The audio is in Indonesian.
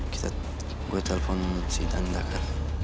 kita gue telpon si dan daka